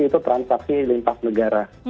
itu transaksi lintas negara